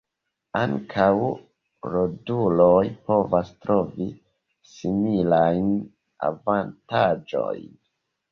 Ankaŭ roduloj povas trovi similajn avantaĝojn.